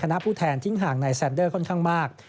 คณะผู้แทนทิ้งห่างนายแซนเดอร์ค่อยมาก